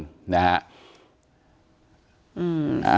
ของคุณจินดาราอยู่คู่ลุงพลนะฮะ